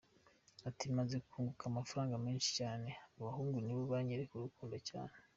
Ati “Maze kunguka amafaranga menshi cyane, abahungu nibo banyereka urukundo cyane.